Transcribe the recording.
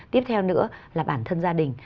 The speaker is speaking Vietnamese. tiếp theo nữa là bản thân gia đình